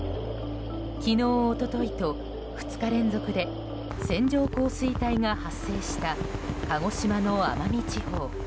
昨日、一昨日と２日連続で線状降水帯が発生した鹿児島の奄美地方。